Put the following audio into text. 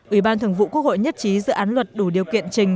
ủy ban thường vụ quốc hội nhất trí dự án luật đủ điều kiện trình